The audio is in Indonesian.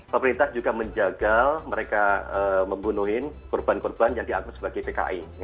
pemerintah juga menjaga mereka membunuh korban korban yang dianggap sebagai pki